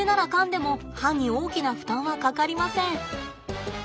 でも歯に大きな負担はかかりません。